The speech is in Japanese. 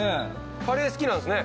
カレー好きなんすね。